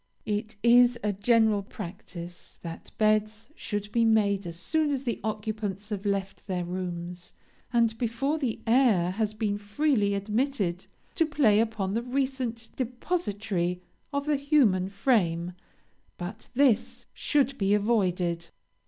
It is a general practice that beds should be made as soon as the occupants have left their rooms, and before the air has been freely admitted to play upon the recent depositary of the human frame; but this should be avoided.